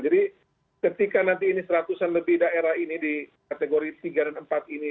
jadi ketika nanti ini seratusan lebih daerah ini di kategori tiga dan empat ini